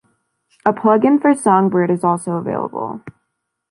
A plugin for Songbird is also available.